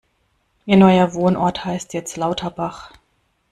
Ihr neuer Wohnort heißt jetzt Lauterbach.